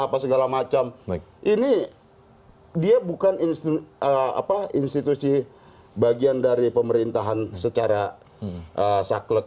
apa segala macam ini dia bukan institusi apa institusi bagian dari pemerintahan secara saklek